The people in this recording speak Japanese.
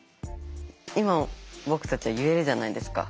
今僕たちは言えるじゃないですか。